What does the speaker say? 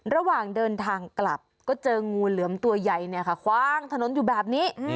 ระหว่างเดินทางกลับก็เจองูเหลือมตัวใหญ่คว่างถนนอยู่แบบนี้